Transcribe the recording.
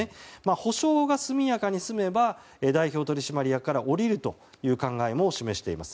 補償が速やかに済めば代表取締役から降りるという考えも考えも示しています。